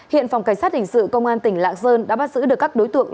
hiện phòng cảnh sát hình sự công an tỉnh lạng sơn đã bắt giữ được các đối tượng